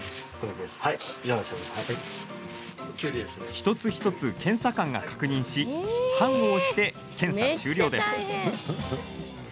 一つ一つ検査官が確認し判を押して検査終了です。